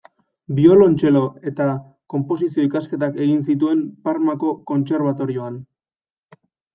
Biolontxelo eta Konposizio ikasketak egin zituen Parmako Kontserbatorioan.